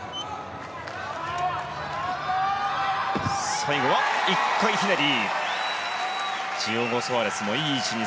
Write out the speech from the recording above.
最後は１回ひねり。